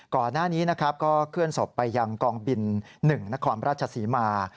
ก่อนหน้านี้นะครับก็เคลื่อนศพไปยังกองบิน๑นครราชศรีมา